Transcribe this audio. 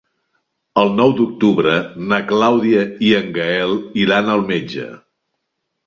El nou d'octubre na Clàudia i en Gaël iran al metge.